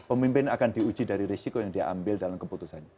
pemimpin akan diuji dari risiko yang diambil dalam keputusannya